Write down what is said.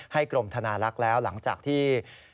กรมธนาลักษณ์แล้วหลังจากที่